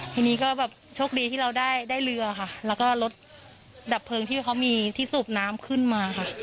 ทีนี้ก็แบบโชคดีที่เราได้เรือค่ะแล้วก็รถดับเพลิงที่เขามีที่สูบน้ำขึ้นมาค่ะ